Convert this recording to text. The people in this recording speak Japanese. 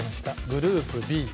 グループＢ